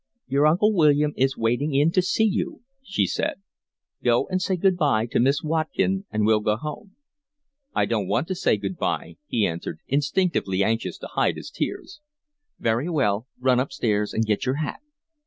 "Your Uncle William is waiting in to see you," she said. "Go and say good bye to Miss Watkin, and we'll go home." "I don't want to say good bye," he answered, instinctively anxious to hide his tears. "Very well, run upstairs and get your hat."